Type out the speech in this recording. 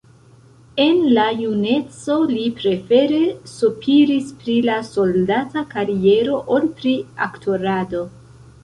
En la juneco li prefere sopiris pri la soldata kariero ol pri aktorado.